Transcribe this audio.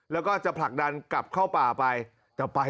แล้วก็จะผลักดันกลับเข้าป่าไปต่อไป